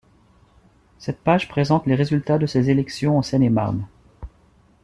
Cette page présente les résultats de ces élections en Seine-et-Marne.